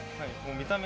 見た目？